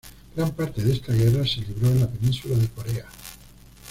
Gran parte de esta guerra se libró en la península de Corea.